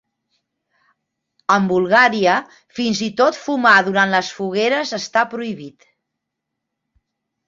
En Bulgària, fins i tot fumar durant les fogueres està prohibit.